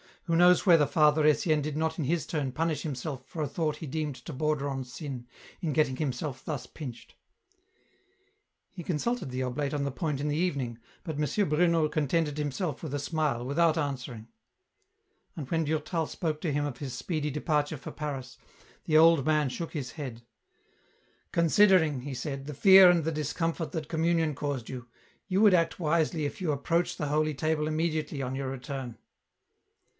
Who knows whether Father Etienne did not in his turn punish himself for a thought he deemed to border on sin, in getting himself thus pinched ? He consulted the oblate on the point in the evening, but M. Bruno contented himself with a smile, without answering. And when Durtal spoke to him of his speedy departure for Paris, the old man shook his head. " Considering," he said, " the fear and the discomfort that Communion caused you, you would act wisely if you ap proach the Holy Table immediately on your return."